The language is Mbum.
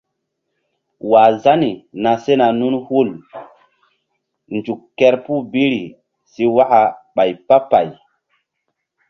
̰wah Zani na sena nun hul nzuk kerpuh biri si waka ɓay pah pay.